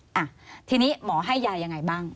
จริงทีนี้มอให้ยายยังไงบ้าง